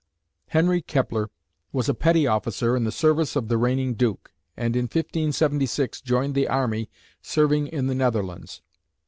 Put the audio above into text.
Henry Kepler was a petty officer in the service of the reigning Duke, and in 1576 joined the army serving in the Netherlands.